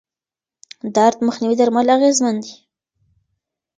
درد مخنیوي درمل اغېزمن دي.